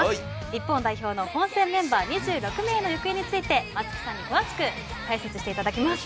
日本代表の本戦メンバー２６名について松木さんに詳しく解説していただきます。